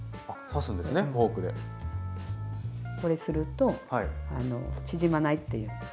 これすると縮まないっていう。